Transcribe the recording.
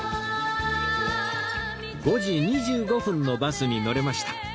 ５時２５分のバスに乗れました